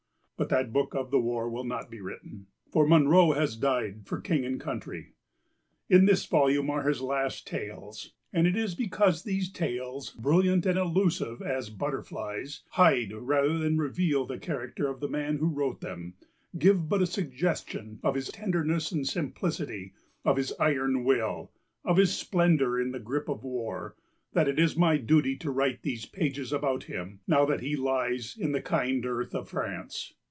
But that book of the war will not be written; for Munro has died for King and country. In this volume are his last tales. And it is because these tales, brilliant and elusive as butterflies, hide, rather than reveal, the character of the man who wrote them, give but a suggestion of his tenderness and simplicity, of his iron will, of his splendour in the grip of war, that it is my duty to write these pages about him, now that he lies in the kind earth of France.